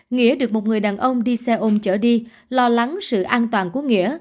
nghĩa được một người đàn ông đi xe ôm chở đi lo lắng sự an toàn của nghĩa